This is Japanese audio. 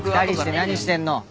２人して何してんの。